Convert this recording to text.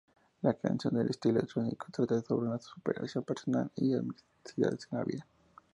La canción de estilo electrónico, trata sobre superación personal y adversidades en la vida.